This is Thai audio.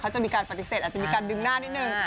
จะมีการปฏิเสธอาจจะมีการดึงหน้านิดนึง